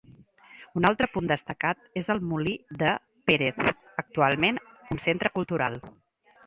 Un altre punt destacat és el Molí de Pérez, actualment un centre cultural.